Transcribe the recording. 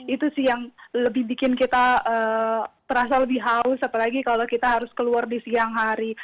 itu sih yang lebih bikin kita terasa lebih haus apalagi kalau kita harus keluar di siang hari